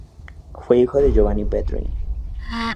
Fue hijo de Giovanni Petri.